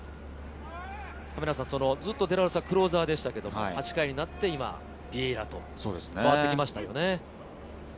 ずっとデラロサはクローザーでしたが、８回になってビエイラと変わってきましたね。